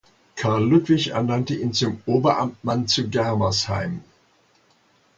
Karl Ludwig ernannte ihn zum Oberamtmann zu Germersheim.